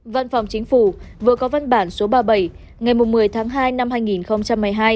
văn phòng chính phủ vừa có văn bản số ba mươi bảy ngày một mươi tháng hai năm hai nghìn một mươi hai